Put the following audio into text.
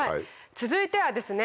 続いてはですね